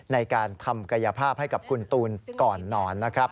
ในการทำกายภาพให้กับคุณตูนก่อนนอนนะครับ